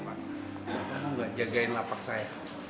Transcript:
berapa ngga jagain lapak saya